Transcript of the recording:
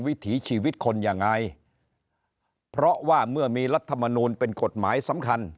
วิถีชีวิตคนยังไงเพราะว่าเมื่อมีรัฐมนูลเป็นกฎหมายสำคัญ